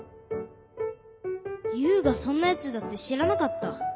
ユウがそんなやつだってしらなかった。